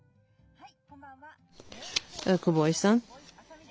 はい。